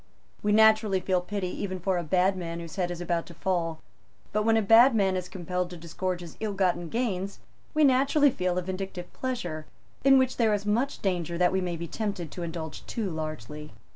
We naturally feel pity even for a bad man whose head is about to fall. But, when a bad man is compelled to disgorge his ill gotten gains, we naturally feel a vindictive pleasure, in which there is much danger that we may be tempted to indulge too largely.